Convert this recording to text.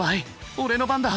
俺の番だ！